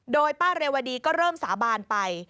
โดยป้าเรวดีก็เริ่มสาบานไป